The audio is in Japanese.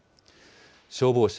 消防車